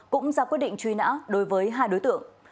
cũng ra quyết định truy nã đối với hai đối tượng